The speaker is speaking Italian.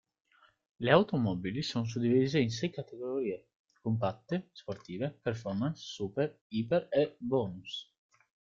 Le automobili sono suddivise in sei categorie: Compatte, Sportive, Performance, Super, Iper e Bonus.